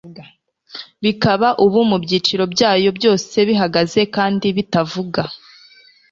Bikaba ubu mubyiciro byayo byose bihagaze kandi bitavuga